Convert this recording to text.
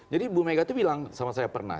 jadi bu megawati bilang sama saya pernah